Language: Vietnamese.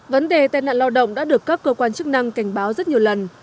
vấn đề tai nạn lao động đã được các cơ quan chức năng cảnh báo rất nhiều lần